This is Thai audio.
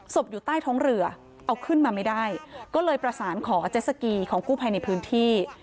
อยู่ใต้ท้องเรือเอาขึ้นมาไม่ได้ก็เลยประสานขอเจสสกีของกู้ภัยในพื้นที่